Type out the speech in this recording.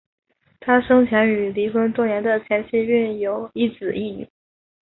他生前与离婚多年的前妻育有一子一女。